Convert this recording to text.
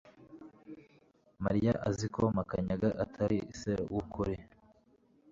Mariya azi ko Makanyaga atari se wukuri